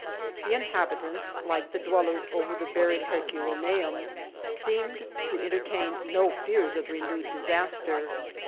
The inhabitants, like the dwellers over the buried Herculaneum, seemed to entertain no fears of renewed disaster.